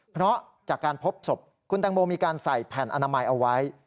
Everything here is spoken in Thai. เพราะจากการพบศพคุณแตงโมมีการใส่แผ่นอนามัยเอาไว้